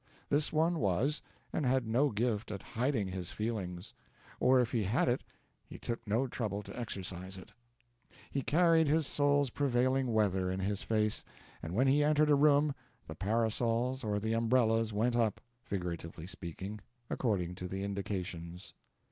This one was, and had no gift at hiding his feelings; or if he had it he took no trouble to exercise it. He carried his soul's prevailing weather in his face, and when he entered a room the parasols or the umbrellas went up figuratively speaking according to the indications.